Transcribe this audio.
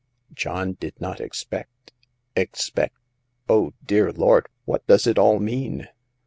John did not expect — expect — oh, dear Lord, what does it all mean